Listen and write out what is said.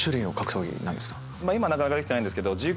今なかなかできてないんですけど。